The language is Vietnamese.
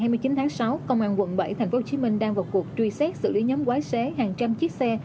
ngày hai mươi chín tháng sáu công an quận bảy tp hcm đang vào cuộc truy xét xử lý nhóm quái xế hàng trăm chiếc xe